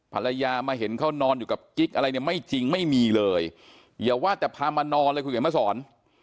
ภรรยามาเห็นเขานอนอยู่กับกิ๊กอะไรเนี่ยไม่จริงไม่มีเลยอย่าว่าแต่พามานอนเลยคุณเขียนมาสอน